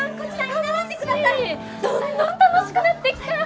どんどん楽しくなってきた！